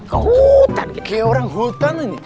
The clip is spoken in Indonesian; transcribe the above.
kayak orang hutan ini